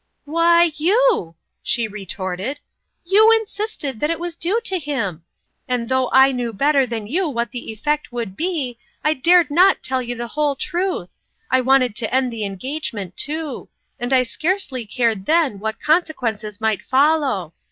" Why, you !" she retorted. " You insisted that it was due to him ; and though I knew better than you what the effect would be, I dared not tell you the whole truth. I wanted to end the engagement, too ; and I scarcely cared then what consequences might follow.